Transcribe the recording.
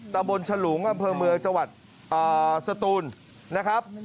ตะบนฉลุงอำเภอเมืองจังหวัดสตูนนะครับ